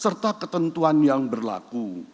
serta ketentuan yang berlaku